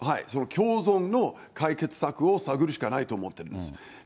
共存の解決策を探るしかないと思ってるんです。